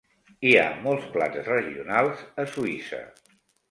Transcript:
Hi ha molts plats regionals a Suïssa.